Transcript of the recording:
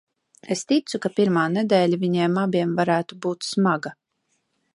Es ticu, ka pirmā nedēļa viņiem abiem varētu būt smaga.